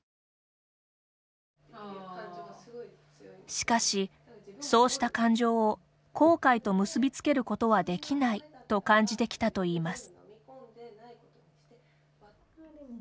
しかし、そうした感情を後悔と結び付けることはできないと感じてきたといいます。